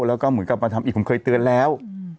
แล้วก็เหมือนกับมาทำอีกผมเคยเตือนแล้ว